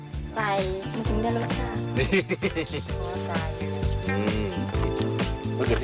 ใส่มันจริงได้รสชาติ